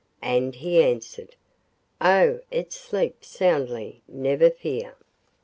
and he answered: 'Oh, it sleeps soundly, never fear.